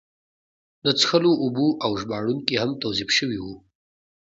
د څښلو اوبه او ژباړونکي هم توظیف شوي وو.